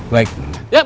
ya pokoknya oke